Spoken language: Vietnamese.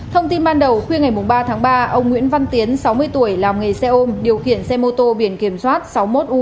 thông tin ban đầu khuya ngày ba tháng ba ông nguyễn văn tiến sáu mươi tuổi làm nghề xe ôm điều khiển xe mô tô biển kiểm soát sáu mươi một u hai ba nghìn chín trăm sáu mươi bốn